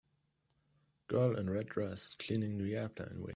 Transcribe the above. girl in red dress cleaning the airplane wing.